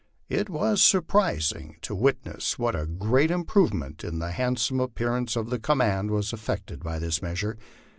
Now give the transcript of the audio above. It was surprising to witness what a great improvement in the handsome appearance of the command was effected by this measure.